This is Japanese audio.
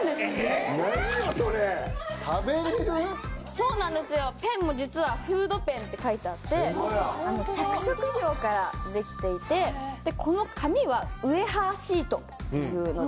そうなんですよペンも実は「ＦＯＯＤＰＥＮ」って書いてあって着色料からできていてこの紙はウエハーシートっていうので。